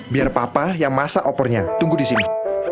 biar papa yang masak opornya tunggu disini